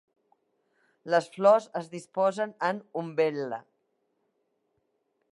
Les flors es disposen en umbel·la.